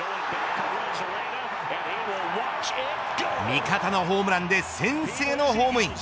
味方のホームランで先制のホームイン。